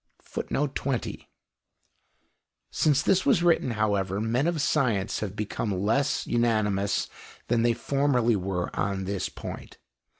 [Footnote 20: Since this was written, however, men of science have become less unanimous than they formerly were on this point.